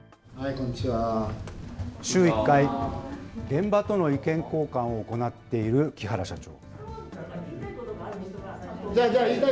現場との意見交換を行っている木原社長。